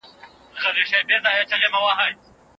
مورنۍ ژبه د معلوماتو تنظيم څنګه اسانه کوي؟